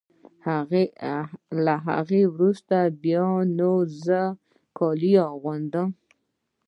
له هغه وروسته بیا نو زه کالي اغوندم.